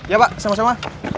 ya pak sama sama